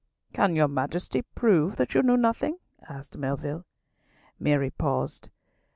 "Can your Majesty prove that you knew nothing?" asked Melville. Mary paused.